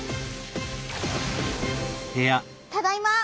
ただいま！